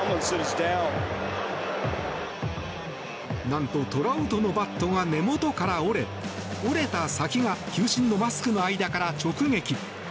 なんとトラウトのバットが根元から折れ折れた先が球審のマスクの間から直撃。